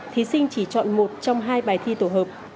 thí sinh chỉ chọn một trong hai bài thi tổ hợp